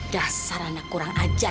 dasar anak kurang ajar